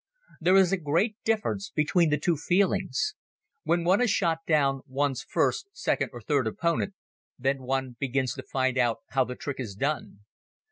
There is a great difference between the two feelings. When one has shot down one's first, second or third opponent, then one begins to find out how the trick is done.